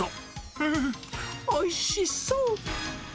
うーん、おいしそう。